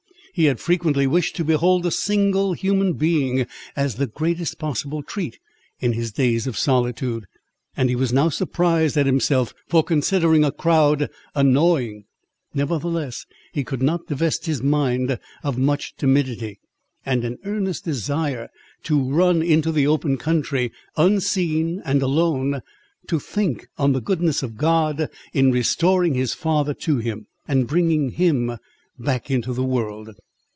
He had frequently wished to behold a single human being, as the greatest possible treat, in his days of solitude, and he was now surprised at himself, for considering a crowd annoying; nevertheless, he could not divest his mind of much timidity, and an earnest desire to run into the open country, unseen and alone, to think on the goodness of God, in restoring his father to him, and bringing him back into the world.